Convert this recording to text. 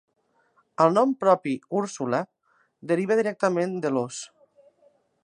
El nom propi Úrsula deriva directament de l'ós.